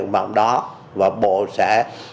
vào đó và bộ sẽ